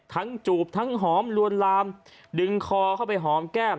จูบทั้งหอมลวนลามดึงคอเข้าไปหอมแก้ม